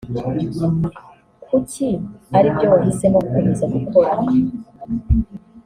Kuki aribyo wahisemo gukomeza gukora